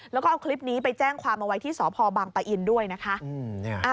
แล้วก็เอาคลิปนี้ไปแจ้งความเอาไว้ที่สพบังปะอินด้วยนะคะ